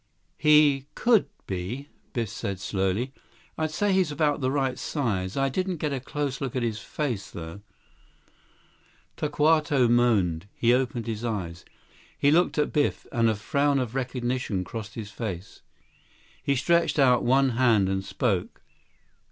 "He could be," Biff said slowly. "I'd say he's about the right size. I didn't get a close look at his face, though." 68 Tokawto moaned. He opened his eyes. He looked at Biff, and a frown of recognition crossed his face. He stretched out one hand and spoke.